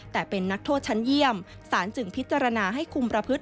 แต่เป็นนักโทษชั้นเยี่ยมสารจึงพิจารณาให้คุมประพฤติ